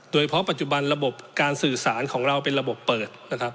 โดยเพราะปัจจุบันระบบการสื่อสารของเราเป็นระบบเปิดนะครับ